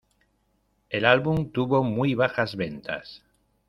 El álbum tuvo muy bajas ventas.